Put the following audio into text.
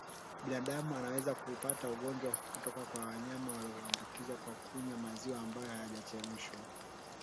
Binadamu anaweza kuupata ugonjwa huu kutoka kwa wanyama walioambukizwa kwa kunywa maziwa ambayo hayajachemshwa